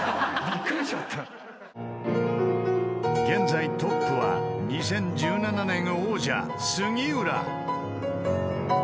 ［現在トップは２０１７年王者杉浦］